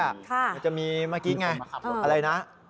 มันจะมีเมื่อกี้ไงอะไรนะ